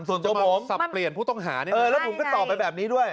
ส่วนตัวหมอสับเปลี่ยนผู้ต้องหาเนี่ยเออแล้วผมก็ตอบไปแบบนี้ด้วย